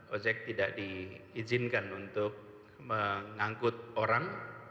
ojek tidak diizinkan untuk mengangkut orang